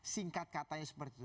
singkat katanya seperti itu